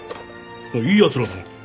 いいやつらだな。